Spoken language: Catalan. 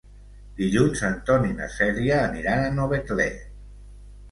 Dilluns en Ton i na Cèlia aniran a Novetlè.